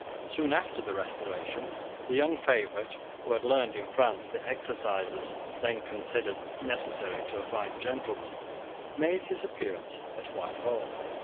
Soon after the restoration, the young favourite, who had learned in France the exercises then considered necessary to a fine gentleman, made his appearance at Whitehall.